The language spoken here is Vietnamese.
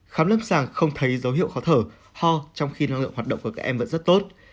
khám lâm sàng không thấy dấu hiệu khó thở ho trong khi năng lượng hoạt động của các em vẫn rất tốt